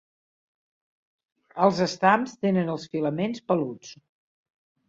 Els estams tenen els filaments peluts.